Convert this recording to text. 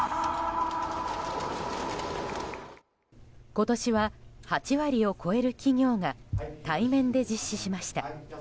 今年は８割を超える企業が対面で実施しました。